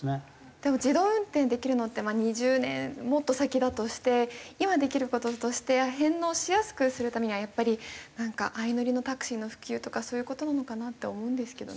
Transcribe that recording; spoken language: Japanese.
でも自動運転できるのってまあ２０年もっと先だとして今できる事として返納しやすくするためにはやっぱりなんか相乗りのタクシーの普及とかそういう事なのかなって思うんですけどね。